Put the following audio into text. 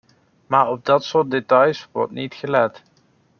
Maar op dat soort details wordt niet gelet.